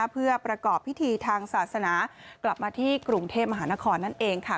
เพื่อประกอบพิธีทางศาสนากลับมาที่กรุงเทพมหานครนั่นเองค่ะ